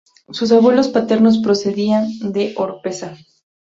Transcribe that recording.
Sus abuelos paternos procedían de Oropesa.